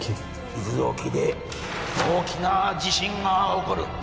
伊豆沖で大きな地震が起こる